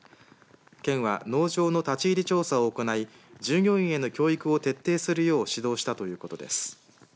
県は農場の立ち入り調査を行い従業員への教育を徹底するよう指導したということです。